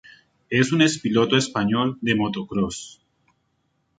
Es un ex-piloto español de motocross.